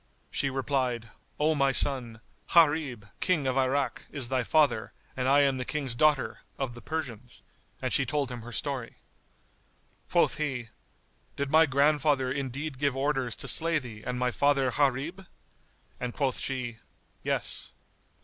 She replied, "O my son, Gharib, King of Irak, is thy father and I am the King's daughter, of the Persians," and she told him her story. Quoth he, "Did my grandfather indeed give orders to slay thee and my father Gharib?"; and quoth she, "Yes."